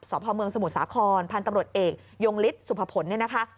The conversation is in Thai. สพเมืองสมุทรสาครพันธ์ตำรวจเอกยงฤทธิสุภพลเนี่ยนะคะ